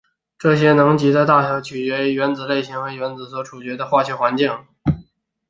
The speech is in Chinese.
这些能级的大小取决于原子类型和原子所处的化学环境。